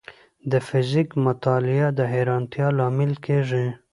د فزیک مطالعه د حیرانتیا لامل کېږي.